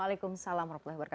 waalaikumsalam wr wb